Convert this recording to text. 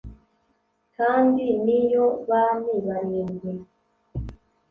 Kandi ni yo bami barindwi: